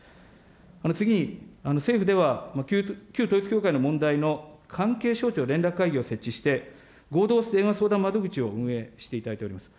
次に、政府では旧統一教会の問題の関係省庁連絡会議を設置して、合同電話相談窓口を運営していただいております。